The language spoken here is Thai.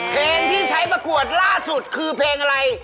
เพลงที่ใช้ประกวดล่าสุดคือเพลงอะไร